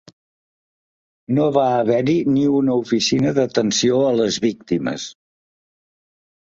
No va haver-hi ni una oficina d’atenció a les víctimes.